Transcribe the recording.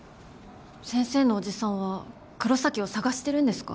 先生の叔父さんは黒崎を捜してるんですか？